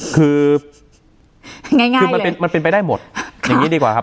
คือมันเป็นไปได้หมดอย่างนี้ดีกว่าครับ